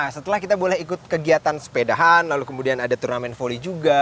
setelah kita boleh ikut kegiatan sepedahan lalu kemudian ada turnamen volley juga